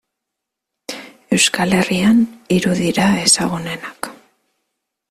Euskal Herrian hiru dira ezagunenak.